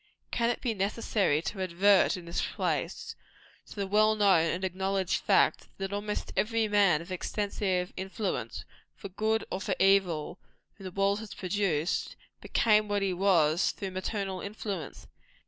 Can it be necessary to advert, in this place, to the well known and acknowledged fact, that almost every man of extensive influence, for good or for evil, whom the world has produced, became what he was through maternal influence?